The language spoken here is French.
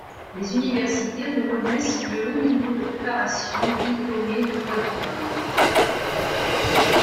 Les universités reconnaissent le haut niveau de préparation des diplômés de Bois-de-Boulogne.